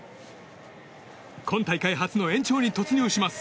今大会初の延長に突入します。